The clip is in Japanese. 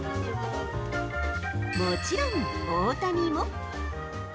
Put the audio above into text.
もちろん、大谷も。